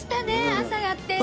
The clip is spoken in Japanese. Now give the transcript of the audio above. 朝やって。